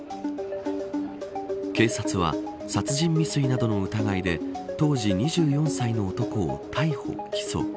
警察は殺人未遂などの疑いで当時２４歳の男を逮捕、起訴。